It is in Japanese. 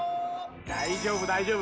大丈夫、大丈夫。